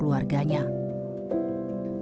meski harganya sedang tinggi abah masih memiliki keuntungan